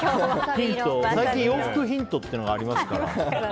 最近、洋服ヒントっていうのがありますから。